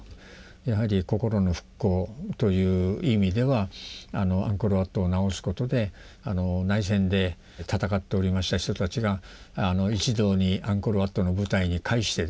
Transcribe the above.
やはり心の復興という意味ではアンコール・ワットを直すことで内戦で戦っておりました人たちが一堂にアンコール・ワットの舞台に会してですね